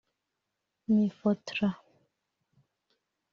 Mifotra